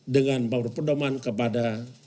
dengan memperdoman kepada